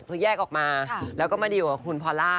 คือแยกออกมาแล้วก็มาดีลกับคุณพอล่า